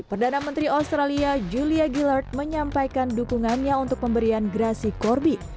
perdana menteri australia julia gillard menyampaikan dukungannya untuk pemberian grasi corby